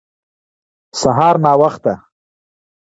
سهار ناوخته